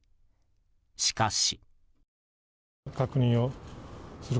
しかし。